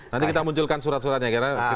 nanti kita munculkan surat suratnya